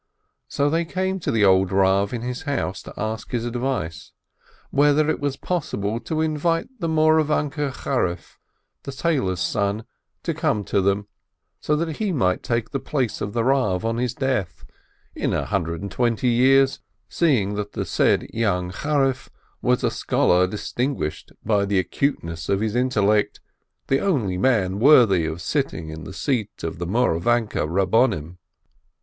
So they came to the old Rav in his house, to ask his advice, whether it was possible to invite the Mouravanke Charif, the tailor's son, to come to them, so that he might take the place of the Rav on his death, in a hundred and twenty years — seeing that the said young Charif was a scholar distinguished by the acuteness of his intellect the only man worthy of sitting in the seat of the Mouravanke Rabbonim.